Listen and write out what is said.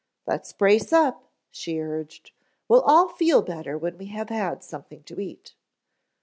"Let's brace up," she urged. "We'll all feel better when we have had something to eat."